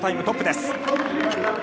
通過タイムトップです。